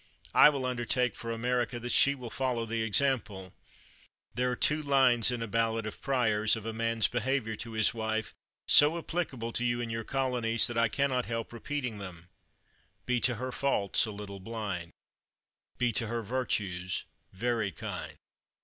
I will undertake for America that she will follow the example. There are two lines in a ballad of Prior's, of a man's behavior to his wife, so applicable to you and your colonies, that I can not help repeating them: "Be to her faults a little blind; Be to her virtues very kind."